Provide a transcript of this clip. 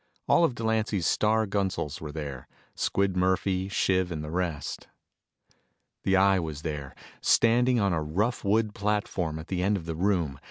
All of Delancy's star gunsels were there Squid Murphy, Shiv and the rest. The Eye was there, standing on a rough wood platform at one end of the room.